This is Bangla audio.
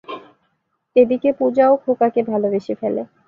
এদিকে "পূজা"ও "খোকা"কে ভালবেসে ফেলে।